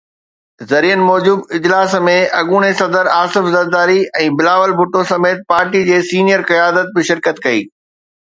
ذريعن موجب اجلاس ۾ اڳوڻي صدر آصف زرداري ۽ بلاول ڀٽو سميت پارٽي جي سينيئر قيادت به شرڪت ڪئي.